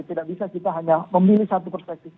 tidak bisa kita hanya memilih satu perspektif